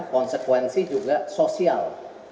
konsekuensi juga sosial